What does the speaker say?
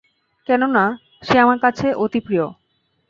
কেননা, সে আমার কাছে অতি প্রিয়।